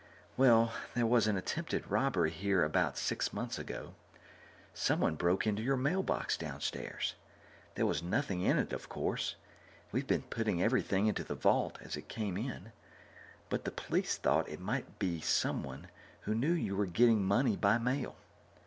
"Well, there was an attempted robbery here about six months ago. Someone broke into your mailbox downstairs. There was nothing in it, of course; we've been putting everything into the vault as it came in. But the police thought it might be someone who knew you were getting money by mail.